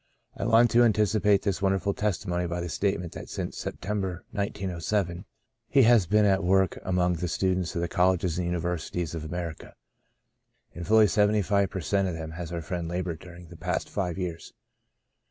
I want to anticipate this wonderful testimony by the statement that since September, 1907, he has been at work among the students of the colleges and universities of America. In fully seventy five per cent, of them has our friend laboured during the past five years.